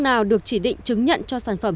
nào được chỉ định chứng nhận cho sản phẩm